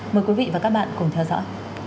mời quý vị và các bạn cùng theo dõi